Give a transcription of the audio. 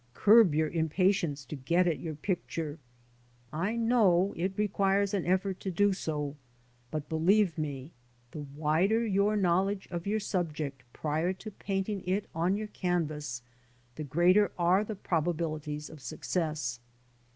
Curb your impatience to get at your picture ; I know it requires an effort to do so, but believe me, the wider your knowledge of your subject prior to painting it on your canvas, the greater are the probabilities of success.